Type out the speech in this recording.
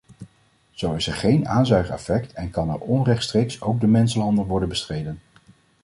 Zo is er geen aanzuigeffect en kan onrechtstreeks ook de mensenhandel worden bestreden.